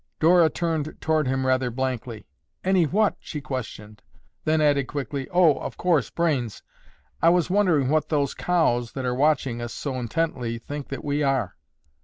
'" Dora turned toward him rather blankly. "Any what?" she questioned, then added quickly, "Oh, of course, brains. I was wondering what those cows, that are watching us so intently, think that we are."